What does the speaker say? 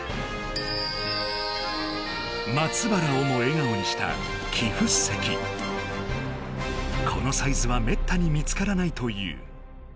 松原をも笑顔にしたこのサイズはめったに見つからないという。